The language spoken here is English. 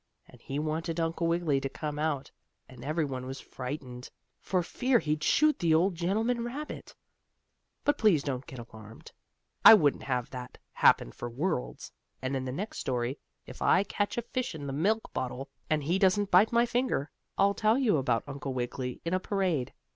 And he wanted Uncle Wiggily to come out, and every one was frightened, for fear he'd shoot the old gentleman rabbit. But please don't you get alarmed. I wouldn't have that happen for worlds, and in the next story, if I catch a fish in the milk bottle, and he doesn't bite my finger, I'll tell you about Uncle Wiggily in a parade.